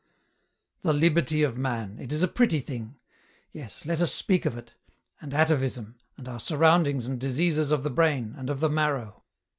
" The liberty of man ! it is a pretty thing. Yes, let us speak of it, and atavism, and our surroundings and diseases of the brain, and of the marrow.